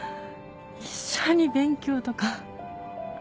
一緒に勉強とか